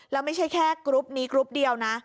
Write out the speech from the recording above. แล้วไม่ใช่แค่กรุ๊ปนี้กรุ๊ปเดียวนะ